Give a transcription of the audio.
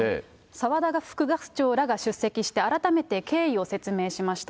澤田副学長らが出席して、改めて経緯を説明しました。